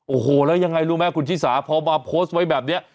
โอ้โหแล้วยังไงรู้ไหมคุณชิสาพอมาโพสต์ไว้แบบนี้